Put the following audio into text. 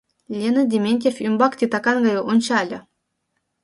— Лена Дементьев ӱмбак титакан гай ончале.